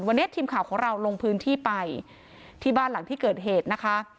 วันนี้ทีมข่าวของเราลงพื้นที่ไปที่บ้านหลังที่เกิดเหตุนะคะ